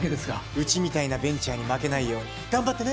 うちみたいなベンチャーに負けないように頑張ってね！